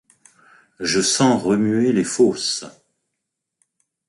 Je sens remuer les fosses